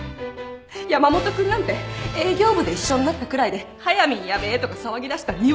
山本君なんて営業部で一緒になったくらいではやみんヤベえとか騒ぎだしたにわかなんです。